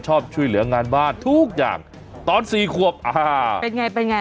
ชอบช่วยเหลืองานบ้านทุกอย่างตอนสี่ขวบอ่าเป็นไงเป็นไง